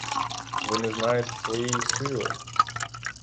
Ви не знаєте своєї сили!